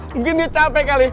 mungkin dia capek kali